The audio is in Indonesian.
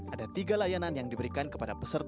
ada tiga layanan yang diberikan kepada peserta